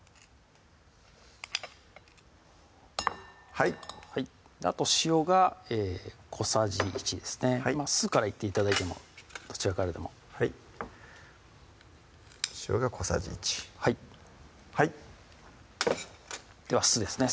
はいあと塩が小さじ１ですね酢からいって頂いてもどちらからでも塩が小さじ１はいでは酢ですね